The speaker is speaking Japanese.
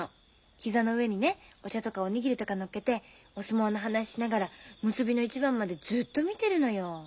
膝の上にねお茶とかお握りとか乗っけてお相撲の話しながら結びの一番までずっと見てるのよ。